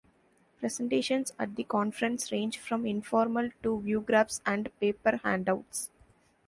Presentations at the conference range from informal to viewgraphs and paper handouts.